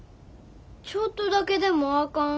ちょっとだけでもあかん？